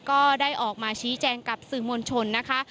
ก็ได้ออกมาชี้แจงกับสื่อมวลชนนะคะ